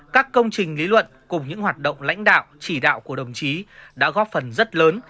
các công trình lý luận cùng những hoạt động lãnh đạo chỉ đạo của đồng chí đã góp phần rất lớn